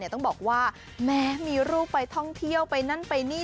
ต้องบอกว่าแม้มีลูกไปท่องเที่ยวไปนั่นไปนี่